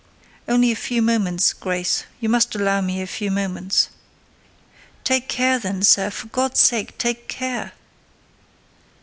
"Only a few moments, Grace: you must allow me a few moments." "Take care then, sir!—for God's sake, take care!"